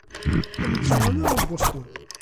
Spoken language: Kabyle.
Ur nettuɣal ara ɣer Boston.